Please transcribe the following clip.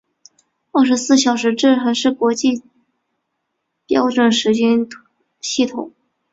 二十四小时制还是国际标准时间系统。